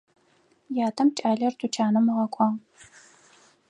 Ятэм кӏалэр тучанэм ыгъэкӏуагъ.